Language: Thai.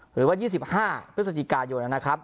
หรือว่า๒๕พฤศจิกายนนะครับ